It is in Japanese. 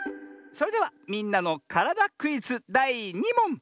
それでは「みんなのからだクイズ」だい２もん！